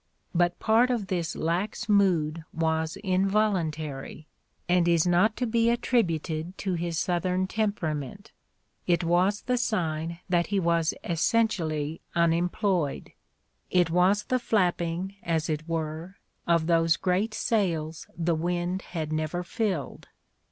But part of this lax mood was involuntary, and is not to be attrib' uted to his Southern temperament ; it was the sign that he was essentially unemployed, it was the flapping as it were of those great sails the wind had never filled.